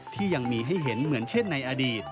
ที่ยังมีให้เห็นเหมือนเช่นในอดีต